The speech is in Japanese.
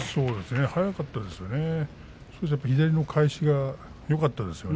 速かったですね